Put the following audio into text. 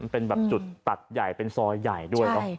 เป็นแบบจุดตัดใหญ่เป็นซอยใหญ่ด้วยเนอะ